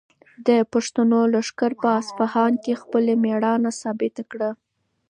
د پښتنو لښکر په اصفهان کې خپله مېړانه ثابته کړه.